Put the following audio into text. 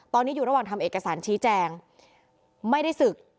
ตอนนี้อยู่ระหว่างทำเอกสารชี้แจงไม่ได้ศึก